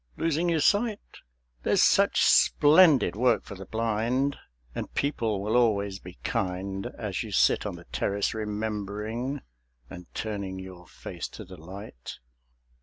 losing your sight?... There's such splendid work for the blind; And people will always be kind, As you sit on the terrace remembering And turning your face to the light.